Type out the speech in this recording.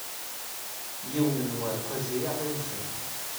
Yiwen n uɛekkaz ay aɣ-iwten.